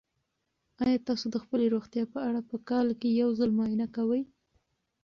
آیا تاسو د خپلې روغتیا په اړه په کال کې یو ځل معاینه کوئ؟